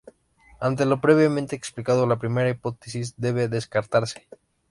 Ante lo previamente explicado, la primera hipótesis debe descartarse.